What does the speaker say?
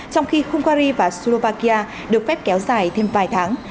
trong khi hungary và slovakia được phép kéo dài thêm vài tháng